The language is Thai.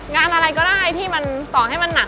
งานอะไรก็ได้ที่มันต่อให้มันหนัก